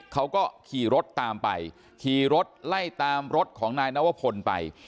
เขาก็ขี่รถตามไปขี่รถไล่ตามรถของนายนวพลไป